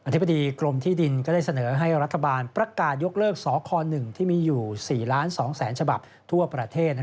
ธิบดีกรมที่ดินก็ได้เสนอให้รัฐบาลประกาศยกเลิกสค๑ที่มีอยู่๔๒๐๐๐ฉบับทั่วประเทศ